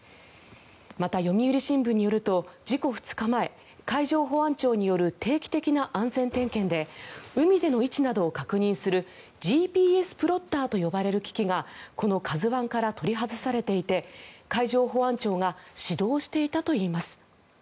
また、読売新聞によると事故２日前海上保安庁による定期的な安全点検で海での位置などを確認するＧＰＳプロッターと呼ばれる機器がこの「ＫＡＺＵ１」から取り外されていて海上保安庁が指導していたといいます。